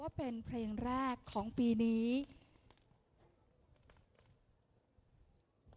ว่างวริหารไทยดูจจาธวายชัยชัยโย